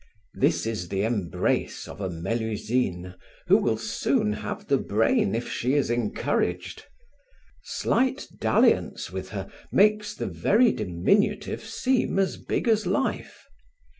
This is the embrace of a Melusine who will soon have the brain if she is encouraged. Slight dalliance with her makes the very diminutive seem as big as life.